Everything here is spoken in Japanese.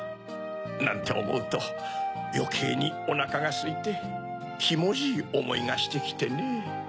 なんておもうとよけいにおなかがすいてひもじいおもいがしてきてねぇ。